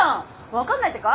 分かんないってか？